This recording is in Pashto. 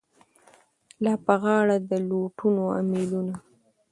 لا په غاړه د لوټونو امېلونه